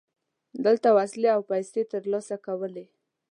دلته وسلې او پیسې ترلاسه کولې.